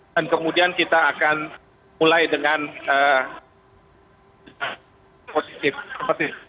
dan kemudian kita akan mulai dengan positif